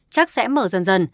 chắc sẽ mở dần dần